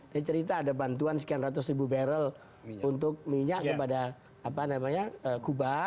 dia cerita ada bantuan sekian ratus ribu barrel untuk minyak kepada kuba